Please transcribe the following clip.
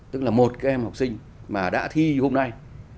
tức là một cái em học sinh mà đã thi hôm nay